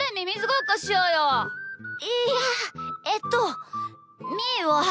いやえっとみーは。